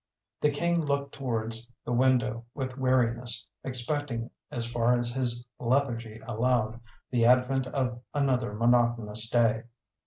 The King looked towards the window with weariness, expecting, as far as his lethargy allowed, the advent of another monotonous day.